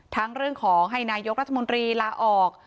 เรื่องของให้นายกรัฐมนตรีลาออก